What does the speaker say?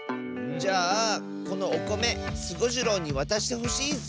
じゃあこのおこめスゴジロウにわたしてほしいッス！